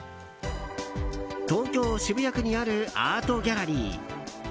東京・渋谷区にあるアートギャラリー。